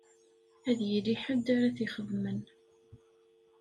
Ad yili ḥedd ara t-ixedmen.